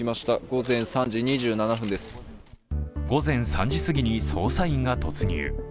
午前３時すぎに捜査員が突入。